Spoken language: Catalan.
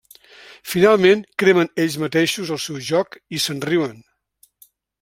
Finalment, cremen ells mateixos el seu joc i se'n riuen.